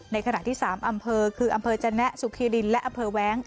ในขณะที่๓อำเภอคืออำเภอจนะสุขีรินและอำเภอแว้ง